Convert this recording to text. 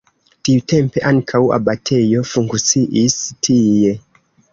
Tiutempe ankaŭ abatejo funkciis tie.